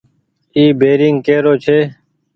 اي بيرينگ ڪي رو ڇي ۔